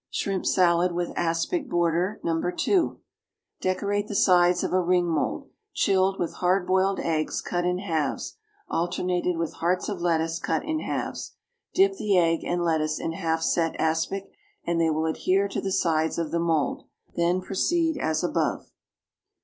=Shrimp Salad with Aspic Border, No. 2.= Decorate the sides of a ring mould, chilled, with hard boiled eggs cut in halves, alternated with hearts of lettuce cut in halves; dip the egg and lettuce in half set aspic, and they will adhere to the sides of the mould. Then proceed as above.